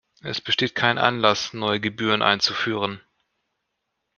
Es besteht kein Anlass, neue Gebühren einzuführen.